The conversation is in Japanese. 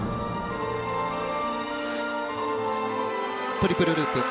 トリプルループ。